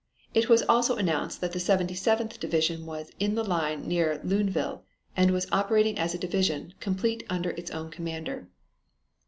It was also announced that the 77th Division was "in the line near Luneville" and was "operating as a division, complete under its own commander."